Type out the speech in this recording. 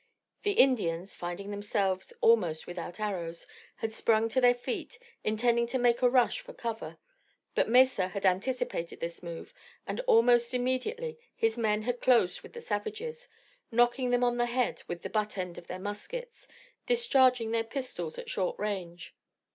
The Indians, finding themselves almost without arrows, had sprung to their feet, intending to make a rush for cover; but Mesa had anticipated this move, and almost immediately his men had closed with the savages, knocking them on the head with the butt end of their muskets, discharging their pistols at short range.